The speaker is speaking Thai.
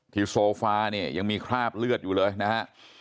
โซฟาเนี่ยยังมีคราบเลือดอยู่เลยนะฮะ